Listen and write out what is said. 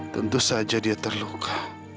tentu saja dia terluka